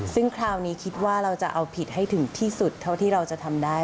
ซึ่งคราวนี้คิดว่าเราจะเอาผิดให้ถึงที่สุดเท่าที่เราจะทำได้